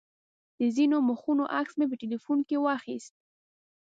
د ځینو مخونو عکس مې په تیلفون کې واخیست.